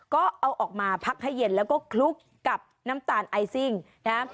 ก็เอาออกมาพักให้เย็นแล้วก็คลุกกับน้ำตาลไอซิ่งนะฮะ